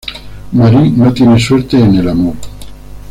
Marie no tiene suerte en el amor.